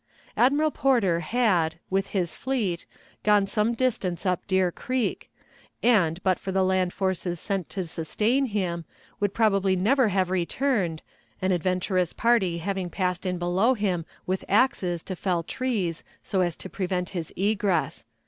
Admiral Porter had, with his fleet, gone some distance up Deer Creek, and, but for the land forces sent to sustain him, would probably never have returned, an adventurous party having passed in below him with axes to fell trees so as to prevent his egress.